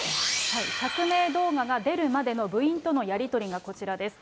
釈明動画が出るまでの部員とのやり取りがこちらです。